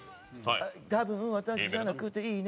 「多分、私じゃなくていいね」